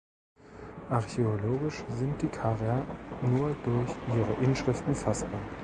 Archäologisch sind die Karer nur durch ihre Inschriften fassbar.